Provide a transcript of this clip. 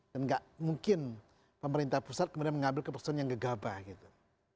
dan gak mungkin pemerintah pusat kemudian mengambil keperluan yang gegabah gitu